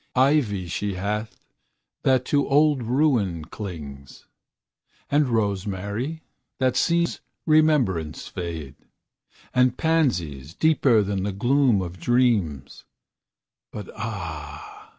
Ivy she hath, that to old ruin clings; And rosemary, that sees remembrance fade; And pansies, deeper than the gloom of dreams; But ah!